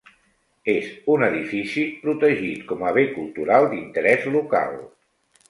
És un edifici protegit com a Bé Cultural d'Interès Local.